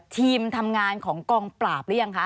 ทีมทำงานของกองปราบหรือยังคะ